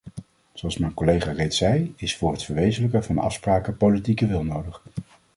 Zoals mijn collega reeds zei, is voor het verwezenlijken van afspraken politieke wil nodig.